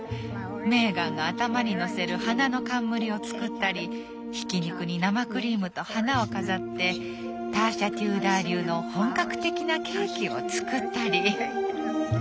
メーガンが頭に載せる花の冠を作ったりひき肉に生クリームと花を飾ってターシャ・テューダー流の本格的なケーキを作ったり。